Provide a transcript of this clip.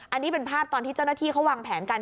อันนี้เป็นภาพตอนที่เจ้าหน้าที่เขาวางแผนกัน